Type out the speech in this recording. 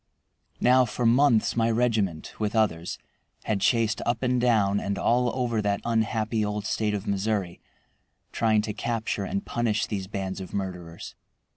Now for months my regiment, with others, had chased up and down, and all over that unhappy old State of Missouri, trying to capture and punish these bands of murderers.